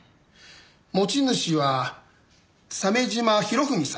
持ち主は鮫島博文さん。